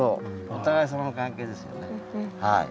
お互いさまの関係ですよねはい。